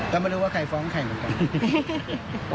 ก็ไม่รู้ว่าใครฟ้องใครเหมือนกัน